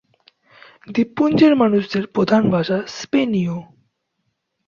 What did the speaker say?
দ্বীপপুঞ্জের মানুষদের প্রধান ভাষা স্পেনীয়।